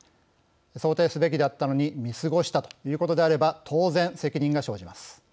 想定すべきだったのに見過ごしたということであれば当然、責任が生じます。